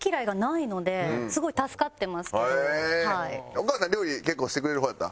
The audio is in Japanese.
お母さん料理結構してくれる方やった？